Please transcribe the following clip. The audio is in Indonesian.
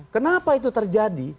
kenapa itu terjadi